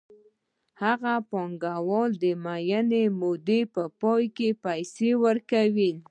دغه پانګوال د معینې مودې په پای کې پیسې ورکوي